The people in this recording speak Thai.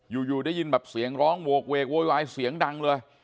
อยู่ได้ยินแบบเสียงร้องโหกเวกโวยวายเสียงดังเลย